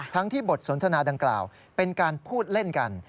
ที่บทสนทนาดังกล่าวเป็นการพูดเล่นกัน